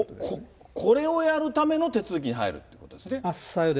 これをやるための手続きに入るということですね。